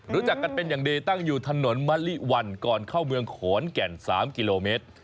รู้จักกันเป็นอย่างดีตั้งอยู่ถนนมะลิวันก่อนเข้าเมืองขอนแก่น๓กิโลเมตร